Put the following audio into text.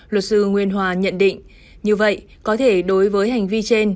luật sư nguyên hòa nhận định như vậy có thể đối với hành vi trên